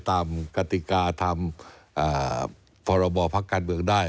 ก็ตามกติกาธรรมฝะระบอภักดิ์การเมืองได้